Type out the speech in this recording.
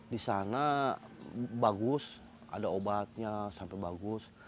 di sana bagus ada obatnya sampai bagus